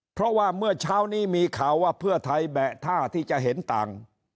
เพราะว่าเมื่อเช้านี้มีข่าวว่าเพื่อไทยแบะท่าที่จะเห็นต่าง